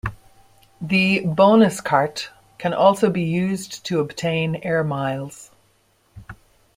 The Bonuskaart can also be used to obtain Air Miles.